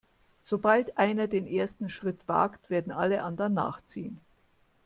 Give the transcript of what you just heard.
Sobald einer den ersten Schritt wagt, werden alle anderen nachziehen.